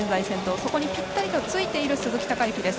そこにぴったりついている鈴木孝幸です。